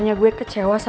masuk ke dalam